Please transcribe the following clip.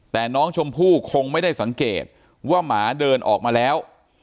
แต่น้องชมพู่คงไม่ได้สังเกตว่าหมาเดินออกมาแล้ว